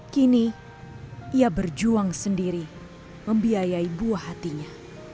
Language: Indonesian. kini ia berjuang sendiri membiayai buah hatinya